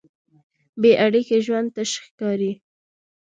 بېاړیکې ژوند تش ښکاري.